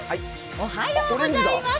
おはようございます。